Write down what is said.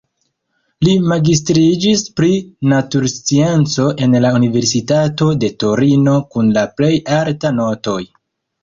Li magistriĝis pri naturscienco en la universitato de Torino kun la plej altaj notoj.